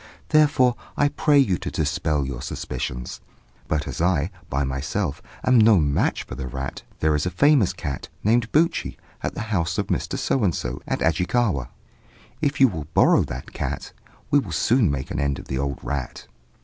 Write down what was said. Therefore I pray you to dispel your suspicions. But as I, by myself, am no match for the rat, there is a famous cat, named Buchi, at the house of Mr. So and so, at Ajikawa: if you will borrow that cat, we will soon make an end of the old rat.'